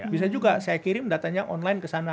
bisa juga saya kirim datanya online ke sana